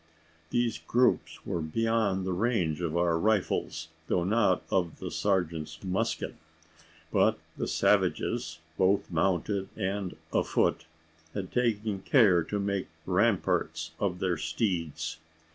These groups were beyond the range of our rifles, though not of the sergeant's musket. But the savages both mounted and afoot had taken care to make ramparts of their steeds.